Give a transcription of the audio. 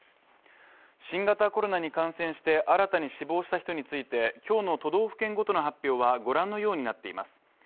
新型コロナに感染して新たに死亡した人について今日の都道府県ごとの発表は御覧のようになっています。